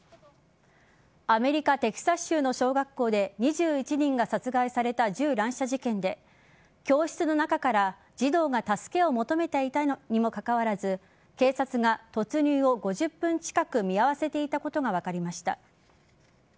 アメリカ・テキサス州の小学校で２１人が殺害された銃乱射事件で教室の中から児童が助けを求めていたにもかかわらず警察が突入を５０分近く見合わせていたことが分かりました。